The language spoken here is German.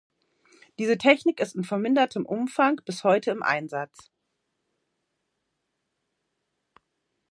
Diese Technik ist in vermindertem Umfang bis heute im Einsatz.